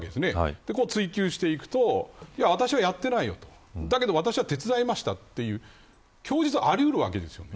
それを追求すると私はやっていないよとだけど、私は手伝いましたとそういう供述はあり得るわけです。